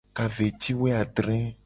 Ka ve ci wo adre.